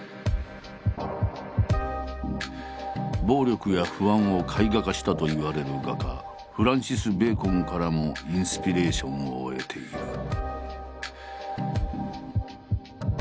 暴力や不安を絵画化したといわれる画家フランシス・ベーコンからもインスピレーションを得ている。